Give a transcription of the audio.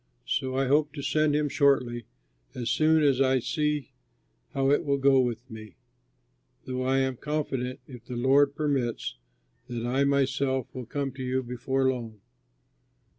So I hope to send him shortly, as soon as I see how it will go with me; though I am confident, if the Lord permits, that I myself will come to you before long.